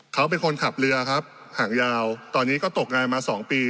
เขาเป็นคนขับเรือครับห่างยาวตอนนี้ก็ตกงานมา๒ปี